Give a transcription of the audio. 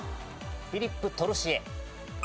フィリップ・トルシエ。